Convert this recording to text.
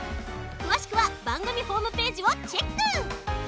くわしくはばんぐみホームページをチェック！